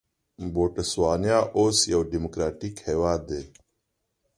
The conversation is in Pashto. بوتسوانا اوس یو ډیموکراټیک هېواد دی.